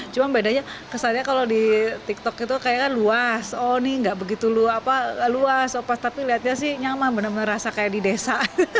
cuma bedanya kesannya kalau di tiktok itu kayak luas oh ini nggak begitu luas tapi lihatnya sih nyaman bener bener rasa kayak di desa